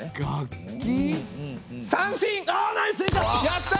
やった！